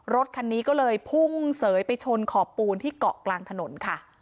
รถคันนี้ก็เลยพุ่งเสยไปชนขอบปูนที่เกาะกลางถนนค่ะ